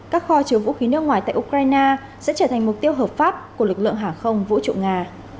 các kho chứa vũ khí nước ngoài tại ukraine sẽ trở thành mục tiêu hợp pháp của lực lượng hàng không vũ trụ nga